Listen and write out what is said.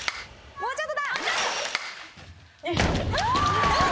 もうちょっと。